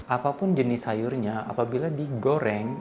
apapun jenis sayurnya apabila digoreng